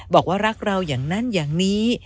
บอกว่ารักเราอย่างนั้นอย่างนี้